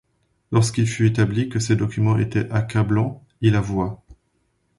Lorsqu’il fut établi que ces documents étaient accablants, il avoua.